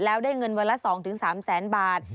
แล้วได้เงินวันละ๒๓แสนบาท